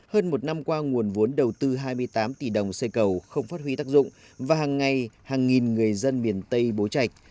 hơn một năm qua nguồn vốn đầu tư hai mươi tám tỷ đồng xây cầu không phát huy tác dụng và hàng ngày hàng nghìn người dân miền tây bố trạch